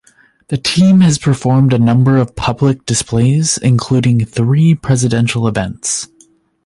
The team has performed a number of public displays including three presidential events.